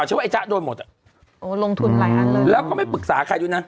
ฉันว่าไอจ๊ะโดนหมดอ่ะโอ้ลงทุนหลายอันเลยแล้วก็ไม่ปรึกษาใครด้วยนะ